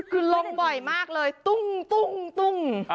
คุณล้มบ่อยมากเลยตุ้งตุ้งตุ้ง